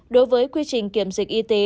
đối với quy trình kiểm dịch y tế